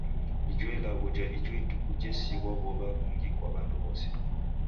Ijo ilagho ja ijo ituku jesigha w'ow'a mungi kwa w'andu w'ose.